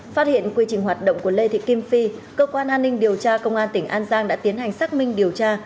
phát hiện quy trình hoạt động của lê thị kim phi cơ quan an ninh điều tra công an tỉnh an giang đã tiến hành xác minh điều tra